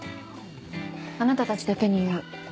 あなたたちだけに言う。